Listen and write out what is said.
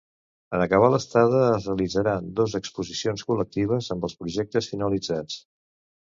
En acabar l’estada, es realitzaran dos exposicions col·lectives amb els projectes finalitzats.